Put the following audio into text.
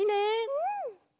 うん！